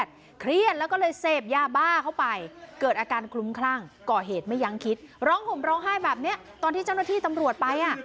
ตอนที่เจ้าหน้าที่ตำรวจไปอ่ะ